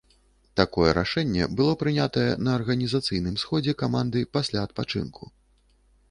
Такое рашэнне было прынятае на арганізацыйным сходзе каманды пасля адпачынку.